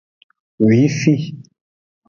Wifi.